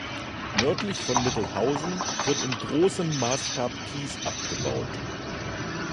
Nördlich von Mittelhausen wird in großem Maßstab Kies abgebaut.